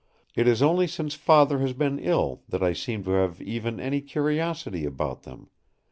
It is only since Father has been ill that I seem to have even any curiosity about them.